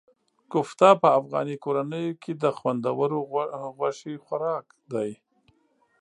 کوفته په افغاني کورنیو کې د خوندورو غوښې خوراک دی.